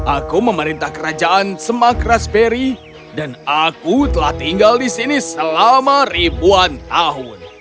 aku memerintah kerajaan semak raspberry dan aku telah tinggal di sini selama ribuan tahun